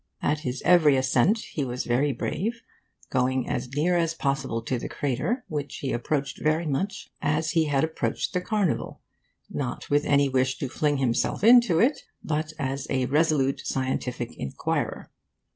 At his every ascent he was very brave, going as near as possible to the crater, which he approached very much as he had approached the Carnival, not with any wish to fling himself into it, but as a resolute scientific inquirer.